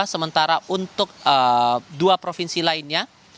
sementara untuk dua provinsi lainnya